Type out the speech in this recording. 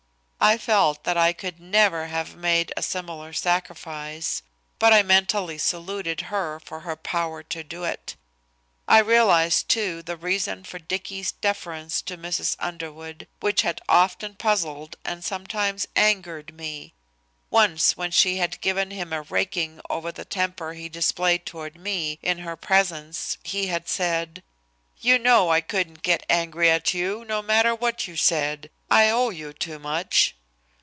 I felt that I could never have made a similar sacrifice, but I mentally saluted her for her power to do it. I realized, too, the reason for Dicky's deference to Mrs. Underwood, which had often puzzled and sometimes angered me. Once when she had given him a raking over for the temper he displayed toward me in her presence, he had said: "You know I couldn't get angry at you, no matter what you said; I owe you too much."